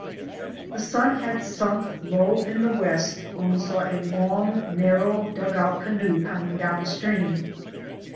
The sun had sunk low in the west when we saw a long, narrow dug out canoe coming downstream.